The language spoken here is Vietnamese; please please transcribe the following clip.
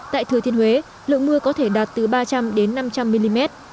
tại thừa thiên huế lượng mưa có thể đạt từ ba trăm linh đến năm trăm linh mm